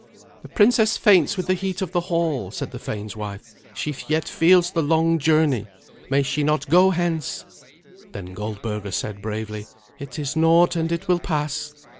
"The princess faints with the heat of the hall," said the thane's wife. "She yet feels the long journey. May she not go hence?" Then Goldberga said bravely, "It is naught, and it will pass."